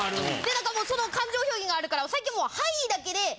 何かもうその感情表現があるから最近はもう。